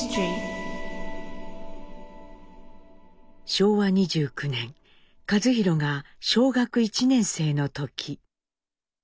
昭和２９年一寛が小学１年生の時。